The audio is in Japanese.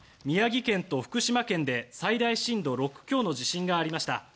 宮城県と福島県で最大震度６強の地震がありました。